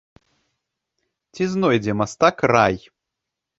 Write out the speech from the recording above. Ці знойдзе мастак рай?